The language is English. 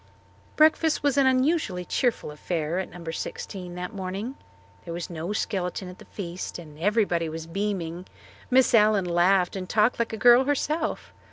Breakfast was an unusually cheerful affair at No. 16 that morning. There was no skeleton at the feast and everybody was beaming. Miss Allen laughed and talked like a girl herself.